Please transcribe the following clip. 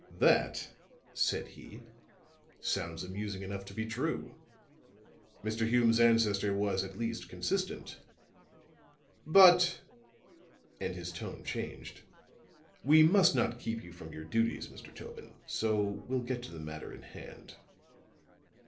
"That," said he, "sounds amusing enough to be true. Mr. Hume's ancestor was at least consistent. But," and his tone changed, "we must not keep you from your duties, Mr. Tobin, and so we'll get to the matter in hand."